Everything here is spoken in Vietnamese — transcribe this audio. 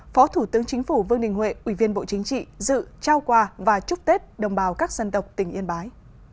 phó thủ tướng chính phủ vương đình huệ ủy viên bộ chính trị dự trao quà và chúc tết đồng bào các dân tộc tỉnh yên bái